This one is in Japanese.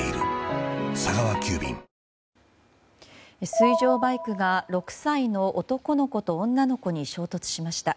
水上バイクが６歳の男の子と女の子に衝突しました。